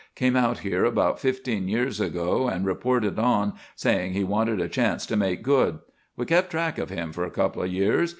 Came out here about fifteen years ago and reported on, saying he wanted a chance to make good. We kept track of him for a couple of years.